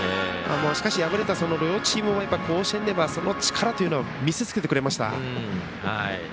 しかし、敗れたどのチームも甲子園ではその力を見せつけてくれました。